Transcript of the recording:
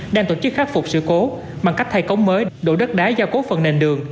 đang tổ chức khắc phục sự cố bằng cách thay cống mới đổ đất đá giao cố phần nền đường